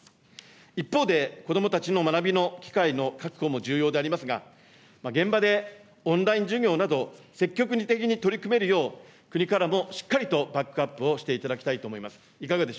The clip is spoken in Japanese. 一方で、子どもたちの学びの機会の確保も重要でありますが、現場でオンライン授業など、積極的に取り組めるよう、国からもしっかりとバックアップをしていただきたいと思います。